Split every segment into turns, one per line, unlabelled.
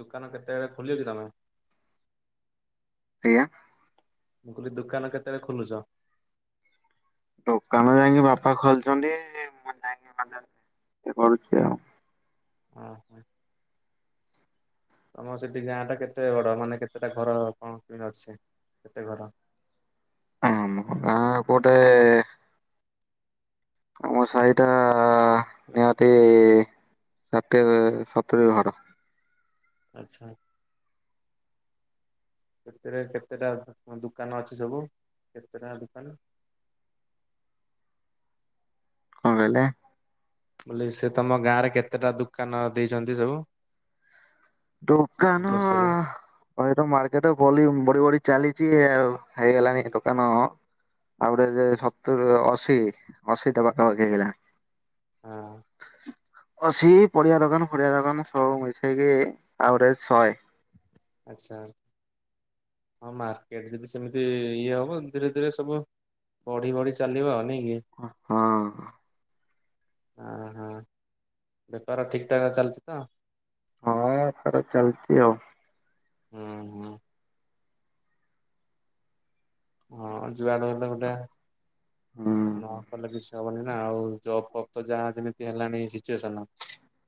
ଦୋକାନ କେତେବେଳେ ଖୋଲିବ କି ତମେ।
ଏୟା।
ମୁଁ କହିଲି ଦୋକାନ କେତେବେଳେ ଖୋଲୁଚ?
ଦୋକାନ ଯାଇକି ବାପା ଖୋଲଛନ୍ତି ମୁଁ ଯାଇକି ମାନେ ଇଏ କରୁଛି ଆଉ।
ଉଁ ହୁଁ।
[inaudible]
ତମର ସେଠି ଗାଁ ଟା କେତେ ବଡ ମାନେ କେତେଟା ଘର କଣ କେମିତି ଅଛି କେତେ ଘର?
ଆମ ଗାଁ କୋଉଟେ ମୋ ସାହି ଟା ନିହାତି ଷାଠିଏ ସତୁରି ଘର।
ଆଚ୍ଛା। ସେଥିରେ କେତେଟା ଦୋକାନ ଅଛି ସବୁ କେତେଟା ଦୋକାନ?
କଁ କହିଲେ?
ମୁଁ କହିଲି ସେ ତମ ଗାଁ ରେ କେତେଟା ଦୋକାନ ଦେଇଛନ୍ତି ସବୁ?
ଦୋକାନ
ଗ୍ରୋସରୀ
ଏଇଟ ମାର୍କେଟ ବଲିଅମ୍ ବଢି ବଢି ଚାଲିଛି ଆଉ ହେଇଗଲାଣିି ଦୋକାନ ଆଉ ଗୋଟେ ଯେ
ଆଚ୍ଛା
ସତୁୁର ଅଶି ଅଶି ଟା ପାଖାପାଖି ହେଇଗଲାଣି।
ହଁ।
ଅଶି ପଡିଆ ଦୋକାନ ଫଡିଆ ଦୋକାନ ସବୁ ମିଶେଇକି ଆଭରେଜ ଶଏ।
ଆଚ୍ଛା ହଁ ମାର୍କେଟ ଯଦି ସେମିତି ଇଏ ହବ ଧୀରେ ଧୀରେ ସବୁ ବଢି ବଢି ଚାଲିବ ଆଉ ନାଇଁ କି।
ଅ ହଁ।
ଅ ହଁ ବେପାର ଠିକ ଠାକ୍ ଚାଲିଛି ତ?
ହଁ ବେପାର ଚାଲିଛି ଆଉ।
ହୁଁ ହୁଁ। ହଁ ଯୁଆଡୁ ହେଲେ ଗୋଟେ ନ
ହୁଁ।
କଲେ କିଛି ହବନି ନା ଆଉ ଜବ୍ ଫବ୍ ତ ଯାହା ଯେମିତି ହେଲାଣି ସିଚୁଏସନ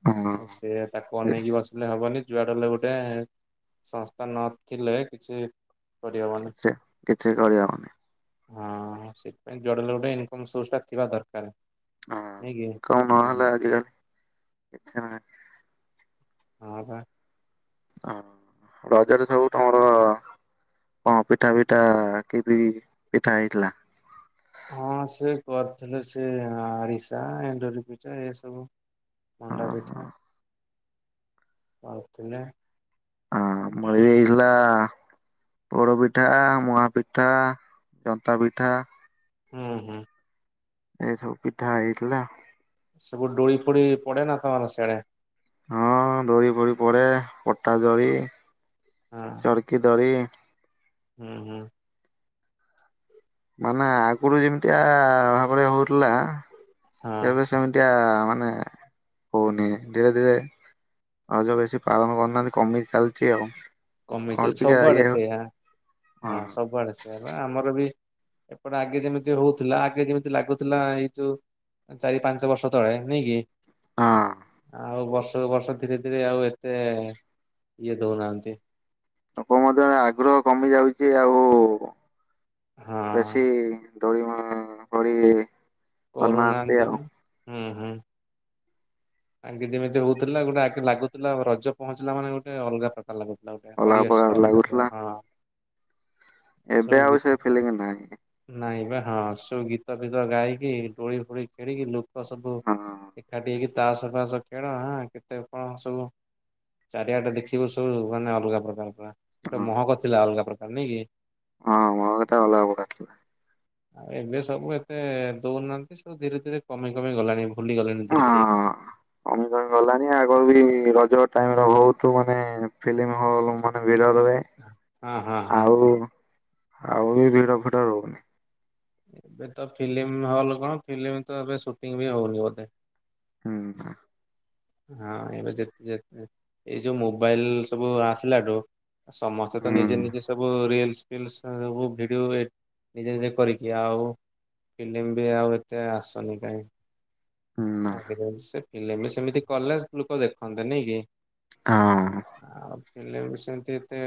ହଁ
ସେ ତାକୁ
ଏ
ଅନେଇକି ବସିଲେ ହବନି ଯୁଆଡେ ହେଲେ ଗୋଟେ ସଂସ୍ଥା ନ ଥିଲେ କିଛି କରିହବନି।
କିଛି କିଛି କରିହବନି।
ହଁ ସେଥିପାଇ ଯୁଆଡେ ହେଲେ ଗୋଟେ ଇନକ ସୋର୍ସ ଟା ଥିବା ଦରକାର।
ହଁ
ନାଇଁ କି?
ଇନକମ୍
ହୁଁ
ନହଲେ ଆଜିକାଲି କିଛି ନାଇ।
ହଁ ବା।
ଆ ରଜରେ ସବୁ ତମର କଁ ପିଠା ପିଠା କିିବି ପିଠା ହେଇଥିଲା?
ହଁ ସେ କରିଥିଲେ ସେ ଆରିସା ଏଣ୍ଡୁରି ପିଠା ଏ ସବୁ।
ଓହୋ
ମଣ୍ଡାପିଠା
ହଁ
[unintelligible]
ଆଁ ମୋର୍ ବି ଏଇ ଥିଲା ପୋଡ ପିଠା, ମୂଆଁ ପିଠା, ଜନ୍ତା ପିଠା।
ହୁଁ ହୁଁ।
ଏ ସବୁ ପିଠା ହେଇଥିଲା।
ସବୁ ଡୋଳି ଫୋଡି ପଡେ ନା ତମର ସେଣେ?
ହଁ ଦୋଳି ଫୋଳୀ ପଡେ ପଟା ଦୋଳି।
ହଁ।
ତଡ଼କି ଦୋଳି।
ହୁଁ ହୁଁ।
ମାନେ ଆ ଗୁରୁ ଯେମିତିଆ ଭାବରେ ହଉଥିଲା
ହଁ।
ଏବେ, ଏମିତିଆ ମାନେ ହଉନି ଧୀରେ ଧୀରେ ଆଉ ଯୋଉ ବେଶୀ ପାଳନ କରୁନାହାନ୍ତି କମି ଯାଉଛି ଆଉ
କମିଛିଇ
ଅଳ୍ପିକା
ସବୁଆଡେ
ଇଏ ହଁ
ସେଇଆା ହଁ ସବୁଆଡେ ସେଇଆ ବା ଆମର ବି ଏପଟେ ଆଗେ ଯେମିତି ହଉଥିଲା ଆଗେ ଯେମିତି ଲାଗୁଥିଲା ଏଇ ଯୋଉ ଚାରି ପାଞ୍ଚ ବର୍ଷ ତଳେ ନେଇଁ କି
ହଁ
ଆଉ ବର୍ଷକୁ ବର୍ଷ ଧୀରେ ଧୀରେ ଆଉ ଏତେ ଇଏ ଦଉନାହାନ୍ତି
ଲୋକ ମଧ୍ୟ ଆଗ୍ରହ କମି ଯାଉଛି ଆଉ
ହଁ
ଚାଷୀ ଦୋଡ଼ିମା ଗଳି
କରୁନାହାନ୍ତି ବି ହୁଁ ହୁଁ ଆଗେ ଯେମିତି ହଉଥିଲା ଗୋଟେ ଆଗେ ଲାଗୁଥିଲା ରଜ ପହଞ୍ଚିଲା ମାନେ ଗୋଟେ ଅଲଗା ପ୍ରକା ଭଲ ଲାଗୁଥିଲା ଗୋଟେ
ଅଲଗା ପ୍ରକାର
ପରିବେଶଟା ଅଲଗା
ଲାଗୁଥିଲା
ପିଆ ହଁ
ଏବେ
ଆଛମ
ଆଉ ସେ
ଗୀତତ [unintelligible]
ଫିଲିଙ୍ଗ ନାହିଁ
ନାଇଁ ବା ହଁ ସବୁ ଗୀତ ଫିତ ଗାଇକି ଡୋଳି ଫୋଳି ଖେଳିକି ଲୋକ ସବୁ
ହଁ
ଏକାଠି ହେଇକି ତାସ ଫାସ ଖେଳ ହାଁ କେତେ କଣ ସବୁ ଚାରିଆଟେ ଦେଖିବୁ ସବୁ ମାନେ ଅଲଗା ପ୍ରକାର ପୁରା ଗୋଟେ
ହଁ
ମହକ ଥିଲା ଅଲଗା ପ୍ରକାର ନାଇଁ କି
ହଁ ମୋକଥା ଅଲଗା ପ୍ରକାର ଥିଲା
ଆଉ ଏବେ ସବୁ ଏତେ ଦଉନାହାନ୍ତି ସବୁ ଧୀରେ ଧୀରେ କମି କମି ଗଲାଣି ଭୁଲି ଗଲେଣି ଧୀରେ ଧୀରେ ଇି [unintelligible]
ହଁ କମି କମି ଗଲାଣି ଆଗରୁ ବି ରଜ ଟାଇମ ର ହଉତୁ ମାନେ ଫିଲ୍ମ ହଲ୍ ମାନେ ଭିଡ଼ ରୁହେ
ହଁ ହଁ ହଁ
ଆଉ ଆଉ ବି ଭିଡ ଫିଡ ରହୁନି
ଏବେ ତ ଫିଲ୍ମ ହଲ କଣ ଫିଲ୍ମ ତ ଏବେ ସୁଟିଂ ବି ହଉନି ବୋଧେ
ହୁଁ ହୁଁ
ହଁ ଏବେ ଯେତ ଯେତ ଯେତ ଏଇ ଯୋଉ ମୋବାଇଲ ସବୁ ଆସିଲାଠୁ ସମସ୍ତେ ତ ନିଜେ ନିଜେ
ହୁଁ
ସ ସବୁ ରିଲସ ଫିଲ୍ସ ସ ସବୁ ଭିଡିଓ ଏଟ ନିଜେ ନିଜେ କରିକି ଆଉ ଫିଲ୍ମ ବି ଆଉ ଏତେ ଆସନି କାଇଁକି?
ନା
ଆ ସେ ଫିଲ୍ମ ସେମିତି କଲେ ଲୋକ ଦେଖନ୍ତେ ନାଇଁ କି
ହଁ
ଆଉ ଫିଲ୍ମ ବି ସେମତି ଏତେ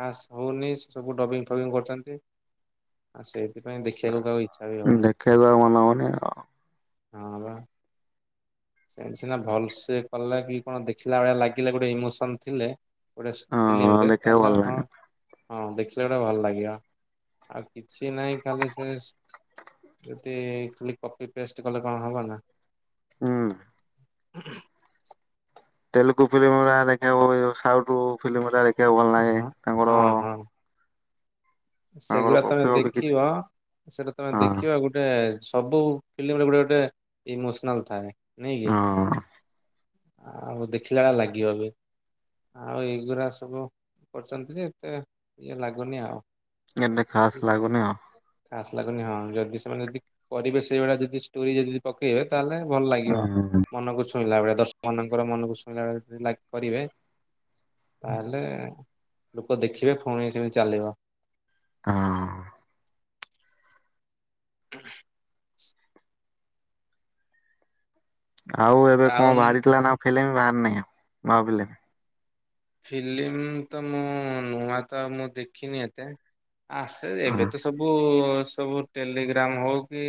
ଖାସ୍ ହଉନି ସେ ସବୁ ଡବିଂ ଫବିଙ୍ଗ କରୁଛନ୍ତି ଆ ସେଇଥିପାଇଁ ଦେଖିଆକୁ କାହାକୁ ଇଛା ବି ହଉନି
ଦେଖିବାକୁ ଆଉ ମନ ହବନି
ହଁ ବା ସେନ ସିନା ଭଲସେ କଲେ କି କଣ ଦେଖିଲା ଭଳିଆ ଲାଗିଲା ଗୋଟେ ଇମୋସନ ଥିଲେ ଗୋଟେସେ
ହଁ
ଫିଲ୍ମରେ
ଦେଖିବାକୁ ଭଲ
ତାହେଲେ ହଁ
ଲାଗେ
ହଁ ଦେଖିଲା ପୁରା ଭଲ ଲାଗିବ ଆଉ କିଛି ନାହିଁ ଖାଲି ସେସ ଗୋଟେ ଏ ଖାଲି କପି ପେଷ୍ଟ କଲେ କଣ ହବ ନା
ହୁଁ
[inaudible]
ତେଲୁଗୁ ଫିଲ୍ମ ଏରା ଦେଖିବାକୁ ଉ ଉ ସାଉଥୁ ଫିଲ୍ମଗୁରା ଦେଖିବାକୁ ଭଲ ଲାହିଁ
ହଁ
ଆମର
ସେଗୁଡା
କଫି
ତମେ
ଫଫି କିଛି
ଦେଖିବ ସେଟା ତମେ
ହଁ
ଦେଖିବ ଗୋଟେ ସବୁ ଫିଲ୍ମ ରେ ଗୋଟେ ଗୋଟେ ଇମୋସନାଲ ଥାଏ ନାଇଁ କି?
ହଁ
ଆଉ ଦେଖିଲା ବେଳେ ଲାଗିବ ବି ଆଉ ଏଗୁୁରା ସବୁ କରୁଛନ୍ତି ଯେ ଏତେ ଇଏ ଲାଗୁନି ଆଉ
ଏତେ ଖାସ ଲାଗୁନି ଆଉ।
ଖାସ୍ ଲାଗୁନି ହଁ ଯଦି ସେମାନେ ଯଦି କରିବେ ସେଇଭଳିଆ ଯଦି ଷ୍ଟୋରି ଯଦି ପକେଇବେ ତାହେଲେ ଭଲ ଲାଗିବ
ହୁଁ।
ମନକୁ ଛୁଇଁଲା ଭଳିଆ ଦ ମନେଙ୍କର ମନକୁ ଛୁଇଁଲା ଭଳିଆ ଯଦି ଲାଇକ୍ କରିବେ ତାହେଲେ ଲୋକ ଦେଖିବେ ପୁଣି ସେମିତି ଚାଲିବ।
ହଁ।
ହୁ।
ଆଉ ଏବେ କଣ
ଟାଉନ
ବାହାରିଥିଲା ନା ଫିଲ୍ମ ବାହାରି ନି ନୂଆ ଫିଲ୍ମ।
ଫିଲ୍ମ ତ ମୁଁ ନୂଆ ତ ମୁଁ ଦେଖିନି ଏତେ। ଆ ସେ ଏବେ
ହଁ
ତ ସବୁ ସବୁ। ଟେଲିଗ୍ରମ୍ ହଉ କି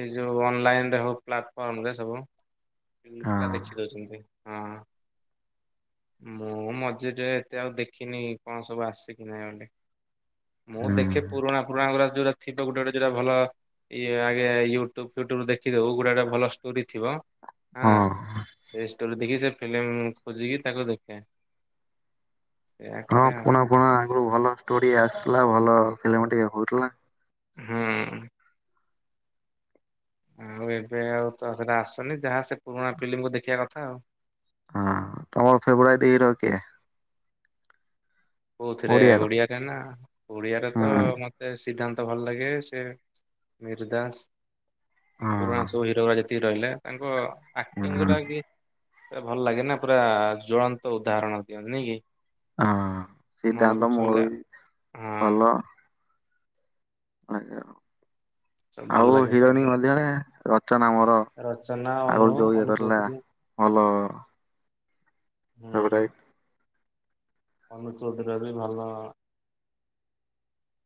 ଏଇ ଯେଉ ଅନଲାଇନ ରେ ହଉ ପ୍ଲାଟଫର୍ମ ରେ ସବୁ।
ହଁ
ପିଲା ଦେଖି ଦଉଛନ୍ତି ହଁ। ମୁଁ ମଝିରେ ଏତେ ଆଉ ଦେଖିନି କଣ ସବୁ ଆସେ କିି ନାଇଁ ବୋଲି। ମୁଁ
ହୁଁ
ଦେଖେ ପୁରୁଣା ପରୁଣା ହେରା ଯଉଟା ଥିବ ଗୋଟେ ଗୋଟେ ଦିଇଟା ଭଲ ଇଏ ଆଗେ ୟୁଟ୍ୟୁବ ଫ୍ୟୁଟ୍ୟୁବ ଦେଖିଦଉ। ଗୋଟେ ଗୋଟେ ଭଲ ଷ୍ଟୋରି ଥିବ ହଁ। ସେ ଷ୍ଟୋରି ଦେଖି ସେ ଫିଲ୍ମ ଖୋଜିକି ତାକୁ ଦେଖେ। ସେଇଆ
ହଁ
କରେ ଆଉ।
ପୁରୁଣା ଫୁରୁଣା ଆଗରୁ ଭଲ ଷ୍ଟୋରି ଆସୁଥିଲା ଭଲ ଫିଲ୍ମ ଟିକେ ହଉଥିଲା।
ହୁଁ। ଆଉ ଏବେ ଆଉ ତ ସେଟା ଆସୁନି ଯାହା ସେ ପୁରୁଣା ଫିଲ୍ମକୁୁ ଦେଖିବା କଥା ଆଉ।
ହଁ ଆମର ଫେବ୍ରରାଇଟି ହିରୋ କିଏ।
କୋଉଥିରେ
ଓଡିଆର
ଓଡ଼ିଆରେ ନା ଓଡ଼ିଆରେ ତ
ହୁଁ
ମୋତେ ସେ ସିଦ୍ଧାନ୍ତ ଭଲ ଲାଗେ ସେ ମିହିରିଦାସ
ହଁ
ପୁରୁଣା ଯୋଉ ହିରୋ ଯେତିକି ରହିଲେ ତାଙ୍କ ଆକ୍ଟିଙ୍ଗ
ହୁଁ।
ଗୁଡା କି ପୁରା ଭଲ ଲାଗେ ନା ପୁରା ଜ୍ଵଳନ୍ତ ଉଦାହରଣ ଦିଅନ୍ତି ନାଇଁ କି?
ହଁ
ମନକୁ
ସିଧାନ୍ତ ମୋର
ଛୁଇଁଲା
ବି
ହଁ
ଭଲ। ଆଜ୍ଞା
ସବୁ ଭଲ
ଆଉ
ଲାଗେ ତାଙ୍କ
ହିରୋଇନୀ ମଧ୍ୟରେ ରଚନା ଆମର।
ରଚନା ଅନୁ ଅନୁ ଚୌଧୁରୀ।
ଭଲ।
ହୁଁ
ସେଟା [inaudible]
ଅନୁ ଚୌଧୁରୀ ର ବି ଭଲ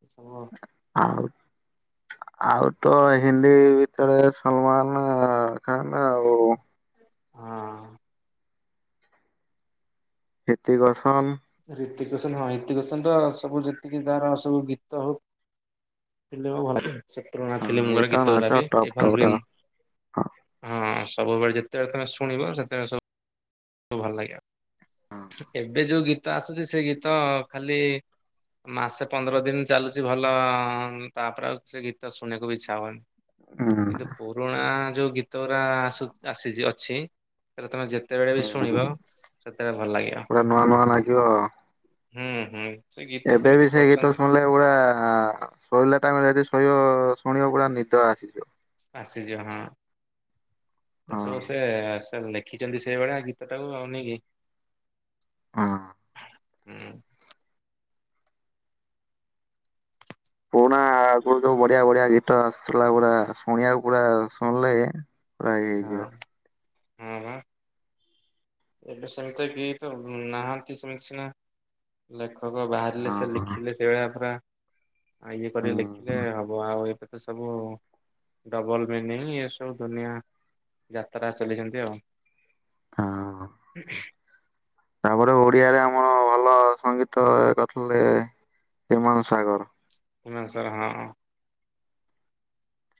ଏ ସବୁ।
ଆଉ। ଆଉ ତ ହିନ୍ଦୀ ଭିତରେ ସଲମାନ ଖାନ୍‌ ଆଉ।
ହଁ।
ହିତିକସନ୍।
ରୀତିିକଶନ ହଁ ରୀତିକଶନ ର ସବୁ ଯେତିକି ତ ସବୁ ଗୀତ ହଉ। ଫିଲ୍ମ ଭଲ ସେ ପୁରୁଣା
ହଁ
ଫିଲ୍ମର
ଏଇଟା
ଗୀତ
ନାଚ
ବି
ଟପ ଟପ
ଏଭର
ଟା
ଗ୍ରୀନ୍।
ହଁ
ହଁ ସବୁବେଳେ ଯେତେବେଳେ ତମେ ଶୁଣିବ ସେତେବେଳେ ସବୁ ଭଲ ଲାଗିବ। ଏବେ ଯୋଉ ଗୀତ ଆସୁଛି ସେ ଗୀତ ଖାଲି ମାସେ ପନ୍ଦର ଦିନ ଚାଲୁଛି ଭଲ ତାପରେ ଆଉ ସେ ଗୀତ ଶୁଣିବାକୁ ବି ଇଚ୍ଛା ହୁଏନି।
ହୁଁ।
କିନ୍ତୁ ପୁରୁଣା ଯୋଉ ଗୀତ ଗୁଡ଼ା ଆସ ଆସି ଅଛି। ହେଲେ ତମେ ଯେତେବେଳେ ବି
ହୁଁ
ଶୁଣିବ ସେତେବେଳେ ଭଲ ଲାଗିବ।
ପୁରା ନୂଆ ନୂଆ ଲାଗିବ।
ହୁଁ ହୁଁ ସେ ଗୀତ
ଏବେ ବି
ସେମିତି
ସେଇ ଗୀତ
କରଛନ୍ତି ନା।
ଶୁଣିଲେ ପୁରା ଶୋଇଲା ଟାଇମେଦି ଶୋଇ ଶୁଣିବ ପୁରା ନିଦ ଆସିଯିବ।
ଆସି ଜିଅଣ।
ହଁ
[unintelligible] ସେ ଏ ସେ ଲେଖିଛନ୍ତି ସେଇଭଳିଆ ଗୀତ ଟାକୁ ଆଉ ନେଇକି।
ଆଁ।
[unintelligible] ହୁଁ।
ପୁରୁଣା ଆ କୋଢ଼େ ସବୁ ବଢ଼ିଆ ବଢ଼ିଆ ଗୀତ ଆସୁଥିଲା। ପୁରା ଶୁଣିବାକୁ ପୁରା ଶୁଣିଲେ ପ୍ରାୟେ
ହଁ
ହେଇଯିବ।
ହଁ ବା ଏବେ ସେମିତି କି ତ ନାହାନ୍ତି ସେମିତି ସିନା। ଲେଖକ ବାହାରିଲେ
ହଁ
ସେ ଲେଖିଲେ ସେଇଭଳିଆ ପାରା। ଆଉ ଇଏ
ହୁଁ
କରି ଲେଖିଲେ ହବ ଆଉ ଏବେ ତ ସବୁ। ଡବଲ ମିନିଂ ଏ ସବୁ ଦୁନିଆ ଯାତ୍ରା ଚଲେଛନ୍ତି ଆଉ। [unintelligible]
ତା ପରେ ଓଡ଼ିଆରେ ଆମର ଭଲ ସଙ୍ଗୀତ କରିଥିଲେ ହିମାଂଶୁ ସାଗର।
ହିମାଂଶୁ ସାଗର ହଁ ଅ।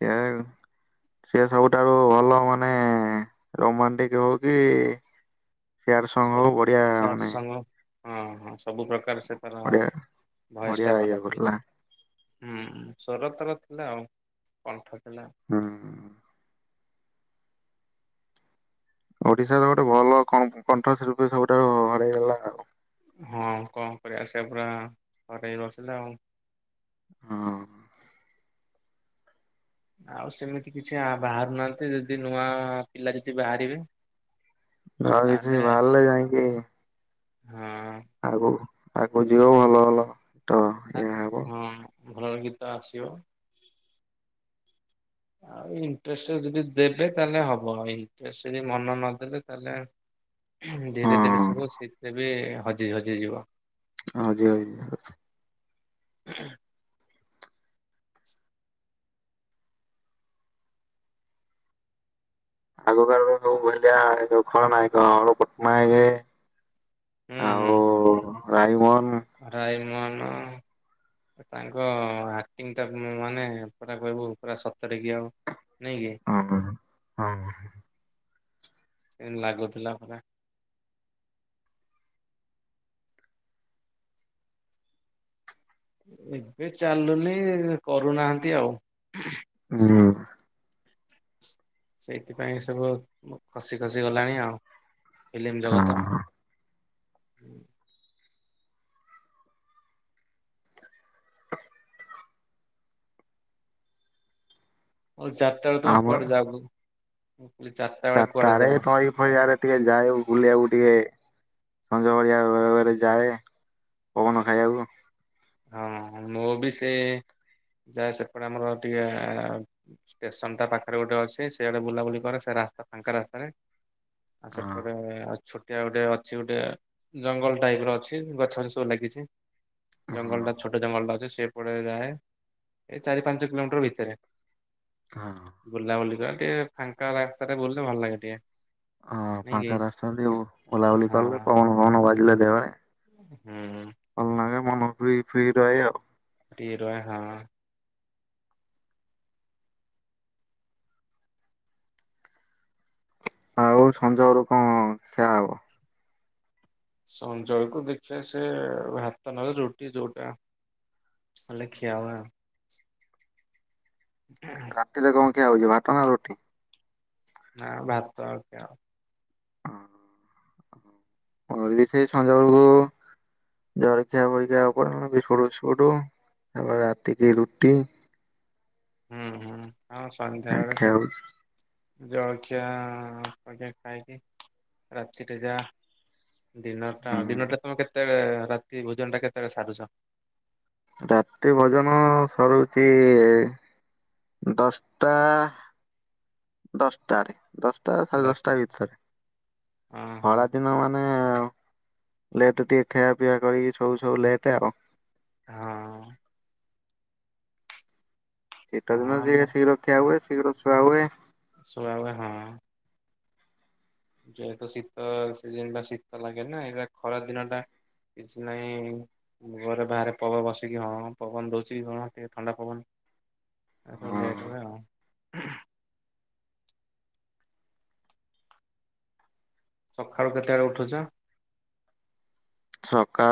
ସେଆଉ। ସେ ସବୁଠାରୁ ଭଲ ମାନେ ରୋମାଣ୍ଟିକ ହଉ କି ସେୟାର
ସବୁ
ସଂଘ ବଢିଆ
ସ୍ୟାଡ୍
ମାନେ।
ସଙ୍ଗ ହଁ ହଁ ସବୁ ପ୍ରକାର ସେ ତାର
ବଢିଆ
ଭଏସ
ବଢିଆ
ଟା
ଇଏ
ଭଲ ହୁଏ।
କରୁଥିଲା
ହୁଁ ହୁ ସ୍ୱର ତାର ଥିଲା ଆଉ କଣ୍ଠ ଥିଲା।
ହୁଁ ଉ। ଓଡିଶାର ଗୋଟେ ଭଲ ଙ୍କପ୍ କଣ୍ଠଶିଳ୍ପୀ ସବୁଠାରୁ ହରଇଦେଲା ଆଉ।
ହଁ କଣ କରିବା ସେଇଆ ପରା ହରେଇ ବସିଲେ ଆଉ।
ହଁ।
ଆଉ ସେମିତି କିଛି ଆ ବାହାରୁନାହାନ୍ତି ଯଦି ନୂଆ ପିଲା ଯଦି ବାହାରିବେ।
ଆଉ କିଛି ବାହାରିଲେ ଯାଇଁକି।
ହଁଅ।
ଆଗକୁ ଆଗକୁ ଯିବ ଭଲ ଭଲ। ତ ଇଏ ହେବ
ଆଁ ହଁ ଭଲ ଗୀତ ଆସିବ। ଆଉ ଇଣ୍ଟରେଷ୍ଟ ଯଦି ଦେବେ ତାହେଲେ ହବ ଆଉ ଇଣ୍ଟରେଷ୍ଟ ଯଦି ମନ ନଦେଲେ ତାହେଲେ।
ହଁ
ଧୀରେ ଧୀରେ ସବୁ ଶୀଥି ବି ହଜି ହଜିଯିବ।
ହଜି ହଜି ଯାଉଛି। ଆଗ କାଳର ସବୁ ଭେଣ୍ଡିଆ ଖଳନାୟକ। [unintelligible]
ହୁଁ
ଆଉ
ହୁଁ
ରାଇମୋହନ୍‌।
ରାଇମୋହନ। ତାଙ୍କ ଆକ୍ଟିଙ୍ଗଟା ମାନେ ପୁରା କହିବୁ ପୁରା ସତରେକି ଆଉ। ନାଇଁ କି?
ହଁ ହ ହ ହଁ।
କିମିତି ଲାଗୁଥିଲା ପରା। ଏବେ ଚାଲୁନି କରୁନାହାନ୍ତି ଆଉ।
ହୁଁ।
ସେଇଥିପାଇଁ ସବୁ ଖସି ଖସି ଗଲାଣି ଆଉ ଫିଲ୍ମ ଜଗତ।
ହଁ
ହୁଁ। ହଉ ଚାରିଟା ବେଳେ ତମେ
ଆମ
କୁଆଡେ ଯାଗୁ ମୁଁ କହିଲି ଚାରିଟା ବେଳେ
ଚ଼ାର୍ଟା
କୁଆଡେ
ଆଡେ
ଯାଅ?
ନଇ ଫଇ ଆଡେ ଟିକେ ଯାଏ ବୁଲିବାକୁ ଟିକେ ସଞ୍ଜ ଭଳିଆ ବେରେ ଯାଏ। ପବନ
ଆଛା
ଖାଇବାକୁ
ହଁ ମୁ ବି ସେ। ଯାଏ ସେପଟେ ଆମର ଟିକେ ଷ୍ଟେସନ ଟା ପାଖରେ ଗୋଟେ ଅଛି ସେ ଗୋଟେ ବୁଲାବୁଲି କରେ ସେ ରାସ୍ତା ଫାଙ୍କା ରାସ୍ତାରେ। ଆଉ
ହଁ
ସେପଟେ ଆଉ ଛୋଟିଆ ଗୋଟେ ଅଛି ଗୋଟେ ଜଙ୍ଗଲ ଟାଇପ ର ଅଛି ଗଛ ଗ ଲାଗିଛି
ହଁ
ଜଙ୍ଗଲ ଟା ଛୋଟ ଜଙ୍ଗଲ ଟା ଅଛି ସେ ପଡେଇ ରାହେ ଏ ଚାରି ପାଞ୍ଚ କିଲୋମିଟର ଭିତରେ।
ହଁ
ବୁଲାବୁଲି କରି ଟିକେ ଫାଙ୍କା ରାସ୍ତାରେ ବୁଲେ ଭଲ ଲାଗେ ଟିକେ।
ହଁ
ନାଇଁ କି
ଫାଙ୍କା ରାସ୍ତାରେ ଟିକେ ବୁଲାବୁଲି କଲେ
ହଁ
ପବନ ଫବନ ବାଜିଲେ ଦେହରେ
ହୁଁ
ଭଲ ନାଗେ ମନ ଫ୍ରି ଫ୍ରି ରହେ ଆଉ।
ଟିକେ ରହେ ହଁ
ଆଉ ସଞ୍ଜ ବେଳକୁ କଣ ଖିଆ ହବ?
ସଞ୍ଜବେଳକୁୁ ଦେଖିବା ସେ ଭାତ ନହେଲେ ରୁଟି ଯୋଉଟା। ଅଲେଖିଆ ଆବା।
ରାତିରେ କଣ ଖିଆ ହବକି ଭାତ ନା ରୁଟି?
ଆଁ ଭାତ ଆଉ ଖିଆ ହବ
ହଁ ମୋର ବି ସେଇ ସନ୍ଧ୍ୟା ଅଳକୁ ଜଳଖିଆ ବଳଖିଆ ଆଉ କଣ ବିସ୍କୁଟ ଫିସ୍କୁଟ ତାପରେ ରାତି କି ରୁଟି।
ହୁଁ ହୁଁ ଆଉ
ଆଉ
ସନ୍ଧ୍ୟାବେଳେ
ଖିଆ
ସେ
ହଉଛି।
ଜଳଖିଆ [unintelligible] ଖାଇକି ରାତିରେ ଯା ଡିନର ଟା ଡିନର ଟା
ହୁଁ
ତମେ କେତେବେଳେ ରାତି ଭୋଜନ ଟା କେତେବେଳେ ସାରୁଛ?
ରାତିି ଭୋଜନ ସରୁଚି ଦଶଟା ଦଶଟାରେ ଦଶଟା ସାଢେ ଦଶଟା ଭିତରେ
ହଁ ହଁ
ଖରା ଦିନ ମାନ୍ ମାନେ ଲେଟ୍ ଟିକେ ଖିଆପିଆ କରିକି ସବୁ ସବୁ ଲେଟ୍ ଆଉ।
ହଁ
ଶୀତ
ହଁ
ଦିନ ଯିଏ
ଆମ
ଶୀଘ୍ର ଖିଆ ହୁଏ ଶୀଘ୍ର ଛୁଆ ହୁଏ।
ଶୁଆ ହୁଏ ହଁ ଯେହେତୁ ଶୀତ ସିଜିନ ଟା ଶୀତ ଲାଗେ ନା ଏଇଟା ଖରା ଦିନ ଟା। କିଛି ନାଇଁ ଘରେ ବାହାରେ ପବନ ବସିକି ହଁ ପବନ ଦଉଛି କଣ ଟିକେ ଥଣ୍ଡା ପବନ ଆ ସବୁ ଲେଟ୍ ହୁଏ ଆଉ। ସଖାଳୁ କେତେବେଳେ ଉଠୁଚ?
ସକାରୁ